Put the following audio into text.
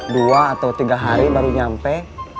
dua atau tiga hari baru nyampe